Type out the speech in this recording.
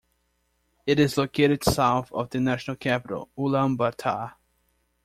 It is located south of the national capital Ulaanbaatar.